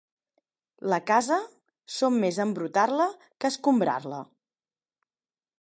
La casa som més a embrutar-la que a escombrar-la.